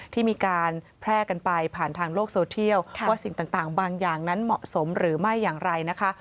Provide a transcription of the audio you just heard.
ที่มีการแพร่กันไปผ่านทางโลกโซเทียลว่าสิ่งต่างบางอย่างนั้นเหมาะสมหรือไม่อย่างไรนะคะ